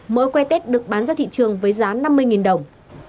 mỗi quây tết được bán ra thị trường với giá năm mươi đồng